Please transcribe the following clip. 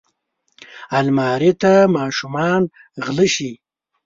الماري ته ماشومان غله شي